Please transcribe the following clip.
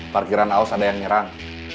parkiran aus ada yang nyerang